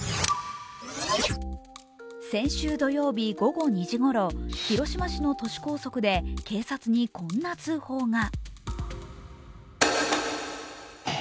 先週土曜日午後２時ごろ広島市の都市高速で警察にこんな通報が。